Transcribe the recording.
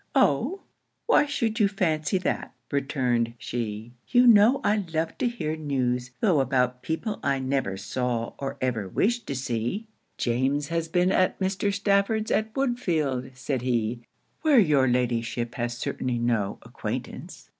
'Oh, why should you fancy that,' returned she 'you know I love to hear news, tho' about people I never saw or ever wish to see.' 'James has been at Mr. Stafford's at Woodfield,' said he, 'where your Ladyship has certainly no acquaintance.'